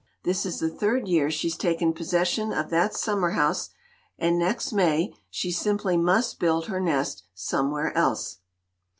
This is the third year she's taken possession of that summer 213 LITERATURE IN THE MAKING house, and next May she simply must build her nest somewhere else!"